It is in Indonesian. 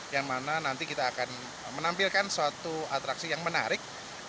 yang mana nanti kita akan menampilkan suatu atraksi yang menarik